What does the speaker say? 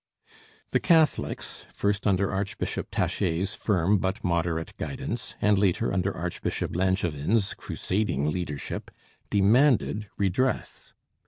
The Catholics, first under Archbishop Taché's firm but moderate guidance, and later under Archbishop Langevin's crusading leadership, demanded redress.